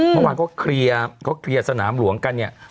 เมื่อวานเขาเคลียร์สนามหลวงกันเนี่ย